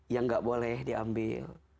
yang nggak boleh diambil